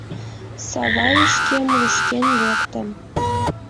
— Сава ишкем лушкен лектын